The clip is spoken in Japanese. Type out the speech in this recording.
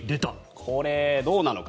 これ、どうなのか。